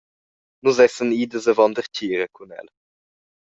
Nus essan idas avon dertgira cun el.